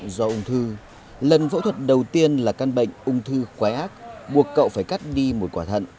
do ung thư lần phẫu thuật đầu tiên là căn bệnh ung thư quái ác buộc cậu phải cắt đi một quả thận